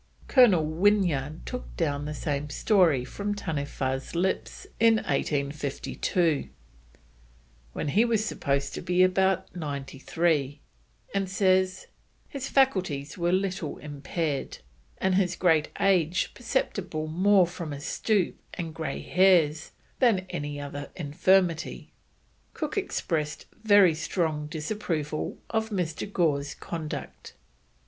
Colonel Wynyard took down the same story from Taniwha's lips in 1852, when he was supposed to be about ninety three, and says: "His faculties were little impaired, and his great age perceptible more from a stoop and grey hairs than any other infirmity." Cook expressed very strong disapproval of Mr. Gore's conduct.